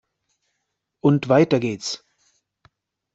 Und weiter geht's!